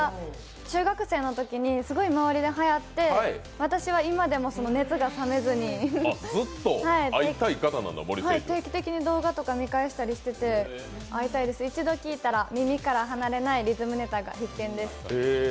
中学生のとき周りですごいはやって、私は今でも熱が冷めずに定期的に動画とか見返したりしていて会いたいです、１度聞いたら耳から離れないリズムネタが必見です。